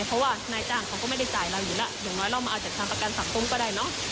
เพราะว่านายจ้างเขาก็ไม่ได้จ่ายเราอยู่แล้วอย่างน้อยเรามาเอาจากทางประกันสังคมก็ได้เนอะ